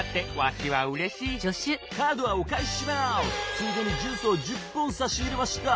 ついでにジュースを１０本さしいれました！」。